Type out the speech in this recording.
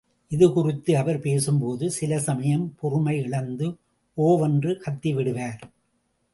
இது குறித்து அவர் பேசும்போது, சில சமயம் பொறுமை இழந்து ஓ வென்று கத்தி விடுவார்.